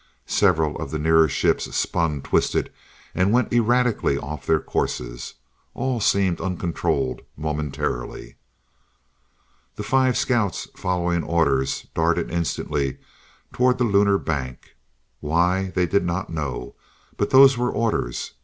Several of the nearer ships spun, twisted, and went erratically off their courses. All seemed uncontrolled momentarily. The five scouts, following orders, darted instantly toward the Lunar Bank. Why, they did not know. But those were orders.